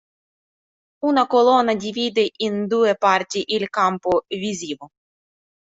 Una colonna divide in due parti il campo visivo.